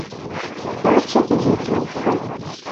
Xuabju dızedof'e.